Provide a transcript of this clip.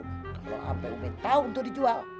kalau sampai umi tau untuk dijual